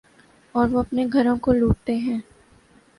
اوروہ اپنے گھروں کو لوٹتے ہیں۔